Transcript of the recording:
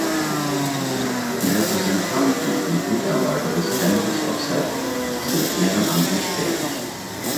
Die Repräsentanten und Mitarbeiter des Temple of Set sind ehrenamtlich tätig.